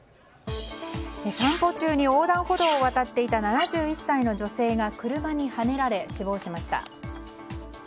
散歩中に横断歩道を渡っていた７１歳の女性が車にはねられ死亡しました。